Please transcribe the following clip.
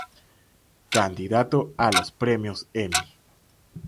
Candidato a los Premios Emmy.